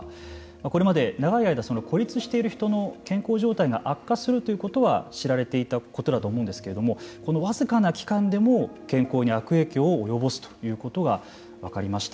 これまで長い間孤立している人の健康状態が悪化するということは知られていたことだと思うんですけれどもこの僅かな期間でも健康に悪影響を及ぼすということが分かりました。